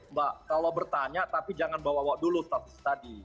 mbak kalau bertanya tapi jangan bawa bawa dulu status tadi